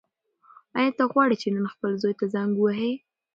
ایا ته غواړې چې نن خپل زوی ته زنګ ووهې؟